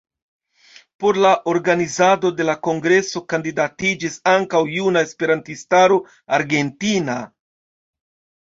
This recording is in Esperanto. Por la organizado de la kongreso kandidatiĝis ankaŭ Juna Esperantistaro Argentina.